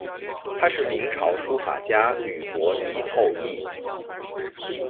她是明朝书法家吕伯懿后裔。